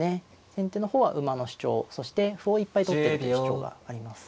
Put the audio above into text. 先手の方は馬の主張そして歩をいっぱい取ってるって主張があります。